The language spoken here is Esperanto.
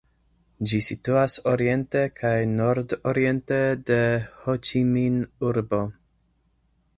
Ĝi situas oriente kaj nordoriente de Ho-Ĉi-Min-urbo.